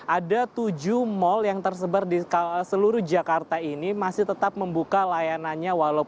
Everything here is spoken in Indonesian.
ada tujuh mal yang tersebar di seluruh jakarta ini masih tetap membuka layanannya